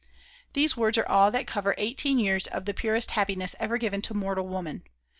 These words are all that cover eighteen years of the purest happiness ever given to mortal woman.